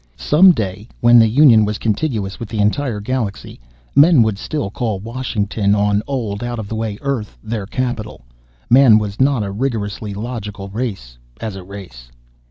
Some day, when the Union was contiguous with the entire galaxy, men would still call Washington, on old, out of the way Earth, their capital. Man was not a rigorously logical race, as a race.